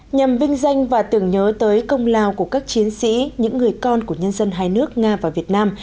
nhằm vinh danh và tưởng nhớ tới công lao của các chiến sĩ những người con của nhân dân hai nước nga và việt nam